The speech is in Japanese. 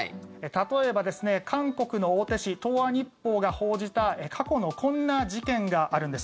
例えば、韓国の大手紙東亜日報が報じた過去のこんな事件があるんです。